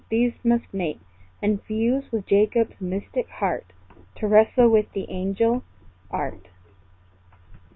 These must mate, And fuse with Jacob's mystic heart, To wrestle with the angel Art.